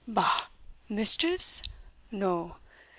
"Bah! mischiefs? no!